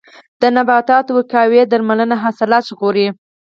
د نباتاتو وقایوي درملنه حاصلات ژغوري.